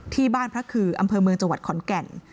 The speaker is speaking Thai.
ที่บ้านพระคืออำเภอเมืองจังหวัดขอนแก่น